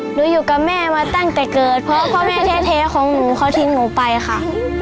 อยู่กับแม่มาตั้งแต่เกิดเพราะพ่อแม่แท้ของหนูเขาทิ้งหนูไปค่ะ